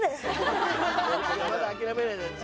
まだ諦めないで。